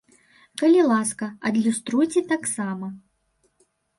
Калі ласка, адлюструйце таксама!